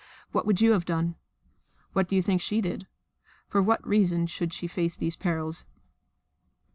What would you have done? What do you think she did? For what reason should she face these perils?